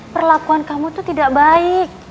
perlakuan kamu itu tidak baik